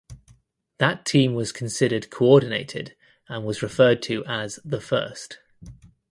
That team was considered coordinated and was referred to as "the first".